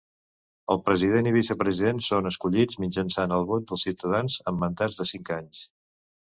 El president i vicepresident són escollits mitjançant el vot dels ciutadans en mandats de cinc anys.